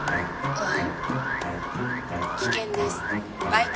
ああ。